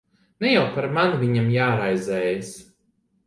Ne jau par mani viņam jāraizējas.